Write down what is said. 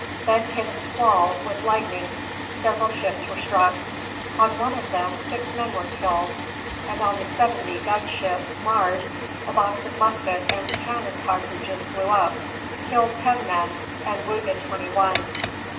Then came a squall, with lightning. Several ships were struck. On one of them six men were killed, and on the seventy gun ship "Mars" a box of musket and cannon cartridges blew up, killed ten men, and wounded twenty one.